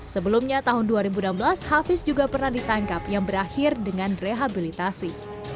sebelumnya tahun dua ribu enam belas hafiz juga pernah ditangkap yang berakhir dengan rehabilitasi